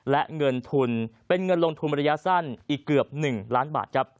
และเงินทุนเป็นเงินลงทุนระยะสั้นอีกเกือบ๑ล้านบาทครับ